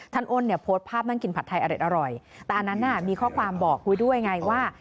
ท่านอ้นเนี่ยโพสต์ภาพนั่งกินผัดไทยอร่อยแต่อันนั้นมีข้อความบอกด้วยไงว่า